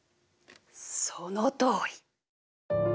そのとおり。